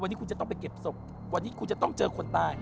วันนี้คุณจะต้องไปเก็บศพวันนี้คุณจะต้องเจอคนตาย